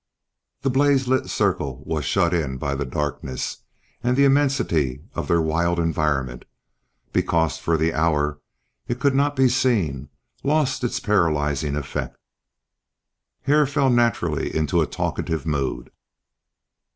The blaze lit circle was shut in by the darkness; and the immensity of their wild environment, because for the hour it could not be seen, lost its paralyzing effect. Hare fell naturally into a talkative mood.